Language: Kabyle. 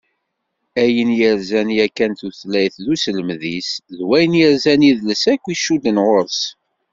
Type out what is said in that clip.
Ayen yerzan yakan tutlayt d uselmed-is, d wayen yerzan idles akk icudden ɣur-s.